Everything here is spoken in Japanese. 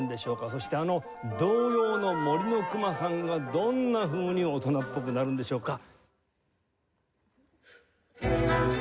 そしてあの童謡の『森のくまさん』がどんなふうに大人っぽくなるんでしょうか。